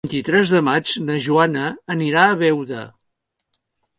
El vint-i-tres de maig na Joana anirà a Beuda.